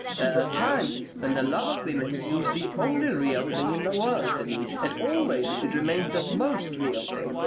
There are times when the love of women seems the only real thing in the world to me. And always it remains the most real thing.